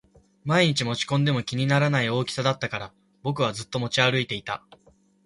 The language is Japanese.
毎日持ち運んでも気にならない大きさだったから僕はずっと持ち歩いていた